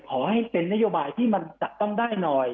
ขอให้เป็นนโยบายที่มันจับต้องได้หน่อย